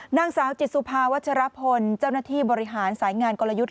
นางสาวจิตสุภาวัชรพลเจ้าหน้าที่บริหารสายงานกลยุทธ์